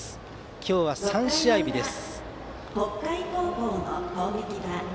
今日は３試合日です。